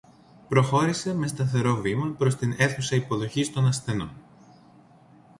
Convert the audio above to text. Προχώρησε με σταθερό βήμα προς την αίθουσα υποδοχής των ασθενών